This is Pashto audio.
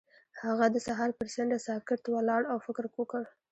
هغه د سهار پر څنډه ساکت ولاړ او فکر وکړ.